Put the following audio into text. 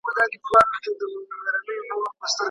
زه به ستړي سلګی راوړم د اغزیو له مزلونو